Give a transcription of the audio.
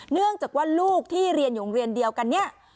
เนื่องจากว่าลูกที่เรียนอยู่โรงเรียนเดียวกันเนี่ย